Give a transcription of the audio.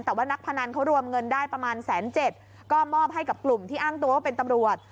แต่ว่านักพนันเขารวมเงินได้ประมาณแสนเจ็ดก็มอบให้กับกลุ่มที่อ้างตัวว่าเป็นตำรวจ